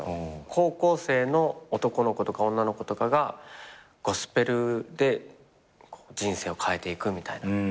高校生の男の子とか女の子とかがゴスペルで人生を変えていくみたいな映画なんだけど。